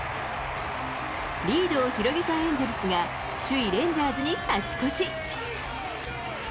リードを広げたエンゼルスが首位レンジャーズに勝ち越し。